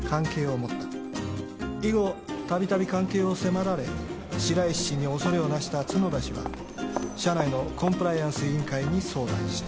以後たびたび関係を迫られ白石氏に恐れをなした角田氏は社内のコンプライアンス委員会に相談した。